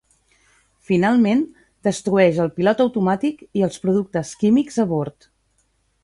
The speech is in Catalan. Finalment destrueix el pilot automàtic i els productes químics a bord.